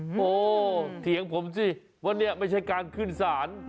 โอ้โหเถียงผมสิว่านี่ไม่ใช่การขึ้นศาล